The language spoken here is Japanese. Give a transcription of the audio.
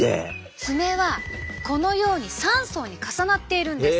爪はこのように３層に重なっているんです。